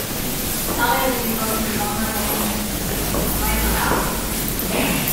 Elderly people can be vulnerable and need assistance, but might not ask for it.